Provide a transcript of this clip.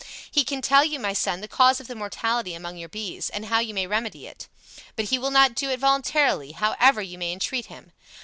He can tell you, my son, the cause of the mortality among your bees, and how you may remedy it. But he will not do it voluntarily, however you may entreat him.